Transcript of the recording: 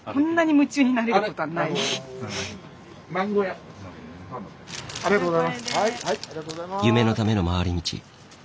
夢のための回り道。